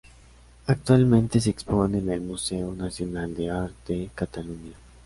Actualmente se expone en el Museu Nacional d'Art de Catalunya.